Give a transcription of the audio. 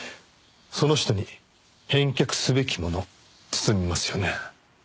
その人に返却すべきもの包みますよね？